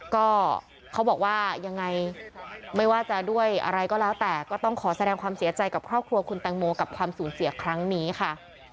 ก็เขาบอกว่ายังไงไม่ว่าจะด้วยอะไรก็แล้วแต่ก็ต้องขอแสดงความเสียใจกับครอบครัวคุณแตงโมกับความสูญเสียครั้งนี้ค่ะ